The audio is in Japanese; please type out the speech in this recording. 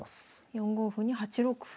４五歩に８六歩。